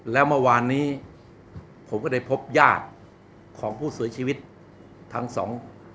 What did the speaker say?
แล้วเมื่อวานนี้ผมก็ได้พบญาติของผู้เสียชีวิตทั้งสอง